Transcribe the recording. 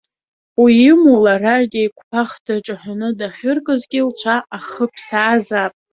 Уимоу, лара деиқәԥах дҿаҳәаны дахьыркызгьы, лцәа аалхыԥсаазаап.